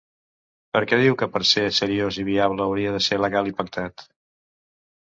Perquè diu que per ser ‘seriós i viable’ hauria de ser legal i pactat.